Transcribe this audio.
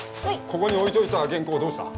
ここに置いといた原稿どうした？